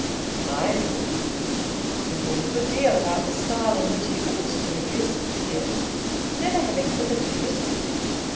MY LORD, He thought a good deal about the style in which he ought to address the peer, never having hitherto written to him.